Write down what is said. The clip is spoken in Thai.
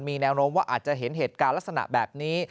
มีแนวโน้มว่าอาจจะเห็นเหตุการณ์ลักษณะแบบนี้